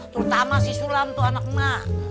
terutama si sulam tuh anak mak